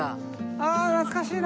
あっ懐かしいな。